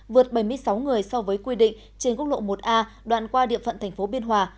vượt bảy mươi sáu người so với quy định trên quốc lộ một a đoạn qua địa phận tp biên hòa